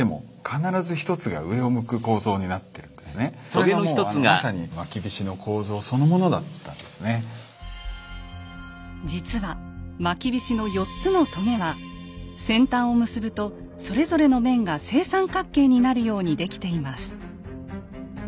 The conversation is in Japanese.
それがもうまさに実はまきびしの４つのとげは先端を結ぶとそれぞれの面が正三角形になるように出来ています。